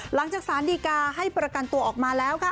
หลังจากสารดีกาให้ประกันตัวออกมาแล้วค่ะ